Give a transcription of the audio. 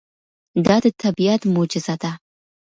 دا د طبیعت معجزه ده.